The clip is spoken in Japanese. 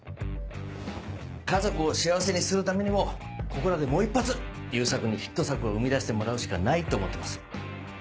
家族を幸せにするためにもここらでもう一発悠作にヒット作を生み出してもらうしかないと思ってます。